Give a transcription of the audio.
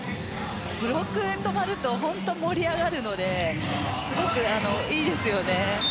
ブロック止まると本当に盛り上がるのですごくいいですよね。